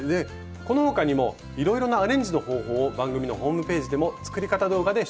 この他にもいろいろなアレンジの方法を番組のホームページでも作り方動画で紹介されています。